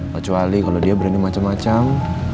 kecuali kalau dia berani macem macem